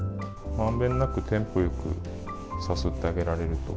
まんべんなく、テンポよくさすってあげられると。